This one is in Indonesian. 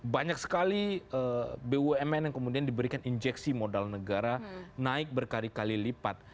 banyak sekali bumn yang kemudian diberikan injeksi modal negara naik berkali kali lipat